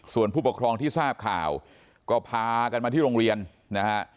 ส่วนผู้ปกครองที่ทราบข่าวก็พากันมาที่โรงเรียนนะฮะ